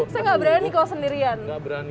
saya gak berani kalo sendirian